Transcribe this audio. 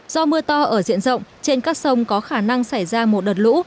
do mưa to ở diện rộng trên các sông có khả năng xảy ra một đợt lũ